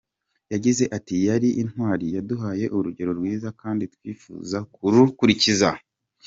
Yagize ati “Yari intwari, yaduhaye urugero rwiza kandi twifuza kurukurikiza.